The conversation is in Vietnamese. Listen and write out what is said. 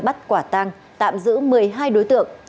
bắt quả tang tạm giữ một mươi hai đối tượng